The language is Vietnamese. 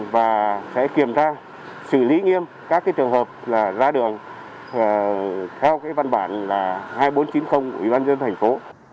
và sẽ kiểm tra xử lý nghiêm các trường hợp ra đường theo văn bản hai nghìn bốn trăm chín mươi của ubnd thành phố